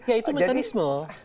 ya itu mekanisme